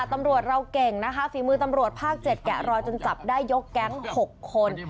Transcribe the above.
ตำรวจเราเก่งนะคะฝีมือตำรวจภาค๗แกะรอยจนจับได้ยกแก๊ง๖คน